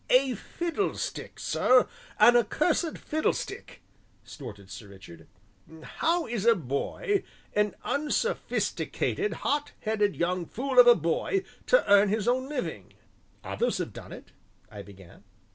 "A fiddlestick, sir an accursed fiddlestick!" snorted Sir Richard. "How is a boy, an unsophisticated, hot headed young fool of a boy to earn his own living?" "Others have done it," I began.